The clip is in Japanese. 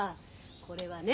これはね